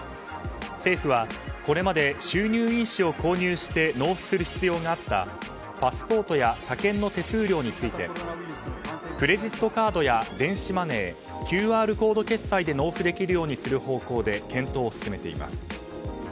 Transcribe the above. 政府は、これまで収入印紙を購入して納付する必要があったパスポートや車検の手数料についてクレジットカードや電子マネーＱＲコード決済などで納付できる方向で検討を進めています。